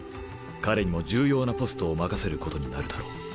彼にも重要なポストを任せることになるだろう。